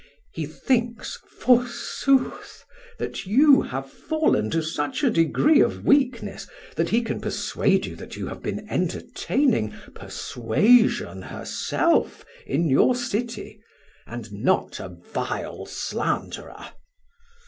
He thinks, forsooth, that you have fallen to such a degree of weakness that he can persuade you that you have been entertaining Persuasion herself in your city, and not a vile slanderer.